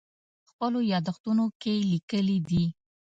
خپلو یادښتونو کې لیکلي دي.